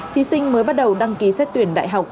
thí sinh mới bắt đầu đăng ký xét tuyển đại học